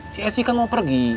si esy kan mau pergi